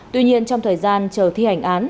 tuy nhiên trong thời gian chờ thi hành án